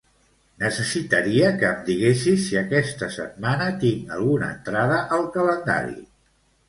Necessitaria que em diguessis si aquesta setmana tinc alguna entrada al calendari.